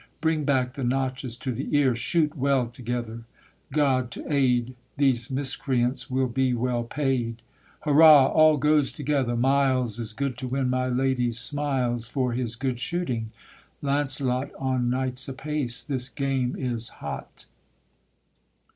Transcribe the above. Bring back the notches to the ear, Shoot well together! God to aid! These miscreants will be well paid. Hurrah! all goes together; Miles Is good to win my lady's smiles For his good shooting: Launcelot! On knights apace! this game is hot!